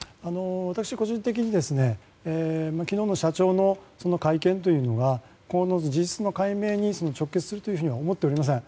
私個人的に昨日の社長の会見というのは事実の解明に直結するというふうには思っていません。